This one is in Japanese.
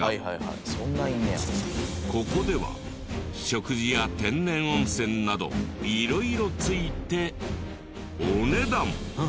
ここでは食事や天然温泉など色々付いてお値段。